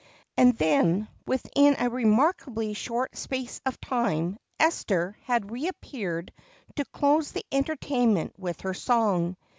And then, within a remarkably short space of time, Esther had reappeared to close the entertainment with her song.